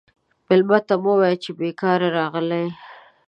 مېلمه ته مه وایه چې بیکاره راغلی یې.